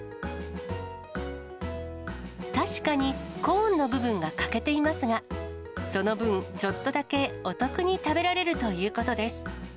確かにコーンの部分が欠けていますが、その分、ちょっとだけお得に食べられるということです。